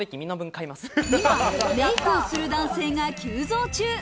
今、メイクをする男性が急増中。